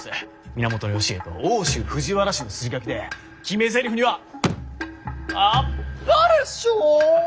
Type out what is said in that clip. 源義家と奥州藤原氏の筋書きで決めぜりふには「あっぱれ将軍！」と入れよう。